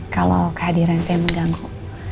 kalau kehadiran saya mengganggu